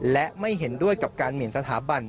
และไม่เห็นด้วยกับการหมินสถาบัน